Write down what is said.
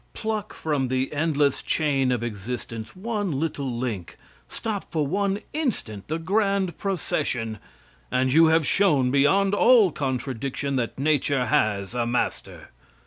Pluck from the endless chain of existence one little link; stop for one instant the grand procession, and you have shown beyond all contradiction that nature has a master.